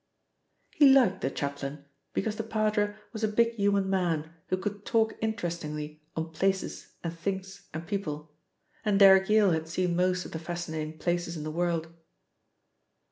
He liked the chaplain because the padre was a big human man who could talk interestingly on places and things and people, and Derrick Yale had seen most of the fascinating places in the world.